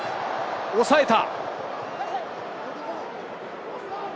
抑えた。